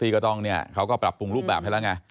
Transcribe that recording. ก็ต้องเนี่ยเขาก็ปรับปรุงรูปแบบให้แล้วไง